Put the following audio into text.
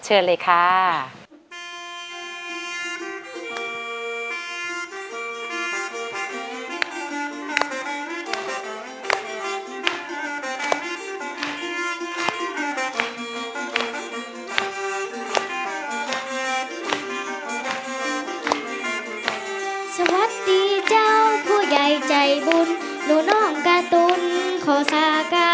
โอเคอ่ะเชิญเลยค่ะ